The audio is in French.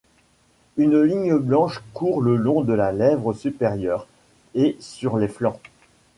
Une ligne blanche court le long de la lèvre supérieure et sur les flancs.